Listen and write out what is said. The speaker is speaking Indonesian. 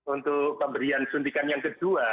untuk pemberian suntikan yang kedua